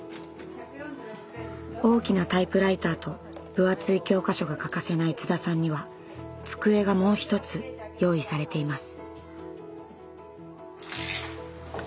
大きなタイプライターと分厚い教科書が欠かせない津田さんには机がもう一つ用意されています。